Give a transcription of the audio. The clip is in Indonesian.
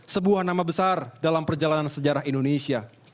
sebuah nama besar dalam perjalanan sejarah indonesia